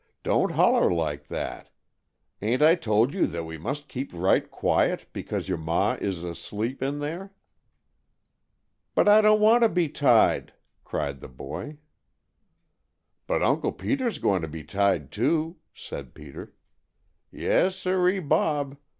"Don't holler like that. Ain't I told you we must keep right quiet, because your ma is asleep in there." "But I don't want to be tied!" cried the boy. "But Uncle Peter's going to be tied, too," said Peter. "Yes, siree, Bob!